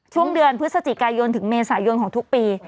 ช่วงเดือนพฤศจิกายนถึงเมษายนของทุกปี